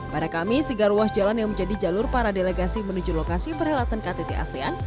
pada kamis tiga ruas jalan yang menjadi jalur para delegasi menuju lokasi perhelatan ktt asean